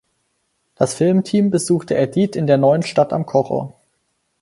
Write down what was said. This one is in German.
Das Filmteam besucht Edith in Neuenstadt am Kocher.